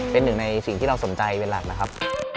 เป็นหนึ่งในสิ่งที่เราสนใจเป็นหลักนะครับ